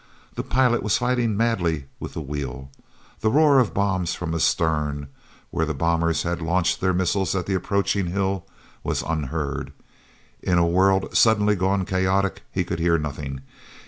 The pilot was fighting madly with the wheel. The roar of bombs from astern, where the bombers had launched their missiles at the approaching hill, was unheard. In a world suddenly gone chaotic he could hear nothing.